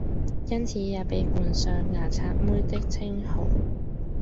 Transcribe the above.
因此也被冠上「牙刷妹」的稱號！